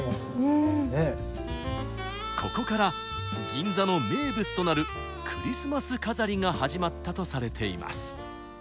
ここから銀座の名物となるクリスマス飾りが始まったとされています。